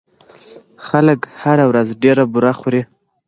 خلک هره ورځ ډېره بوره خوري.